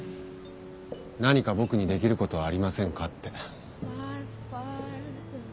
何か僕にできることはありませんかって。